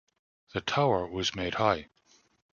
The tower was made high.